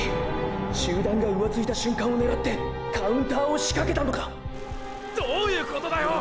集団が浮ついた瞬間を狙ってカウンターをしかけたのか⁉どういうことだよ